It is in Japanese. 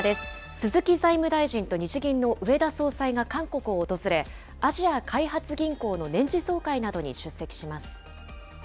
鈴木財務大臣と日銀の植田総裁が韓国を訪れ、アジア開発銀行の年次総会などに出席します。